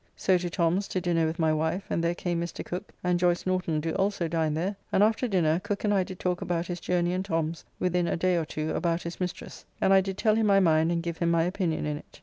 So to Tom's to dinner with my wife, and there came Mr. Cooke, and Joyce Norton do also dine there, and after dinner Cooke and I did talk about his journey and Tom's within a day or two about his mistress. And I did tell him my mind and give him my opinion in it.